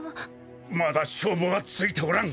まだ勝負はついておらん。